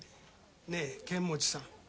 ねぇ剣持さん